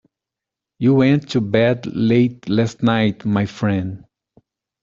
You went to bed late last night, my friend.